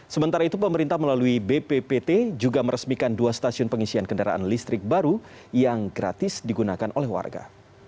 sementara itu pemerintah melalui bppt juga meresmikan dua stasiun pengisian kendaraan listrik baru yang gratis digunakan oleh warga